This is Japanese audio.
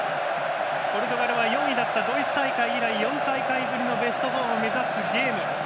ポルトガルは４位だったドイツ大会以来４大会ぶりのベスト４を目指すゲーム。